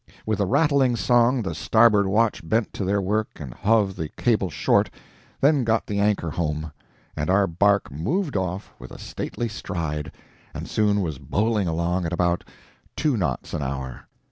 With a rattling song the starboard watch bent to their work and hove the cable short, then got the anchor home, and our bark moved off with a stately stride, and soon was bowling along at about two knots an hour.